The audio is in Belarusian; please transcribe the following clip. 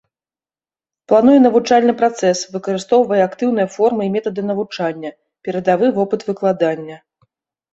Плануе навучальны працэс, выкарыстоўвае актыўныя формы і метады навучання, перадавы вопыт выкладання.